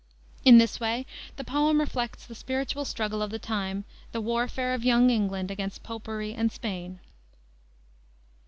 In this way the poem reflects the spiritual struggle of the time, the warfare of young England against Popery and Spain.